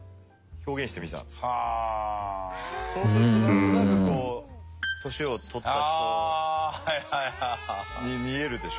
そうするとなんとなくこう年をとった人に見えるでしょ。